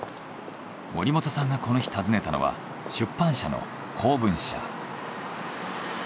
森本さんがこの日訪ねたのは出版社の光文社。